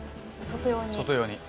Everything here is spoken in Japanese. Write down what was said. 外用に。